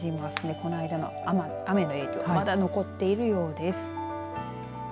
この間の雨の影響まだ残っているようです。